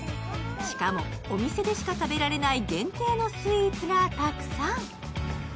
しかもお店でしか食べられない限定のスイーツがたくさん。